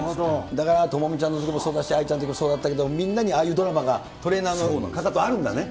だから、知美ちゃんのときもそうだし、愛ちゃんのときもそうだったけど、みんなにああいうドラマが、トレーナーの方とあるんだね。